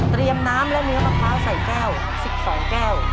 น้ำและเนื้อมะพร้าวใส่แก้ว๑๒แก้ว